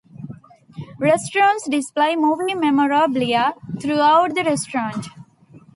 Restaurants display movie memorabilia throughout the restaurant.